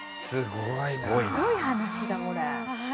すごい話だこれ。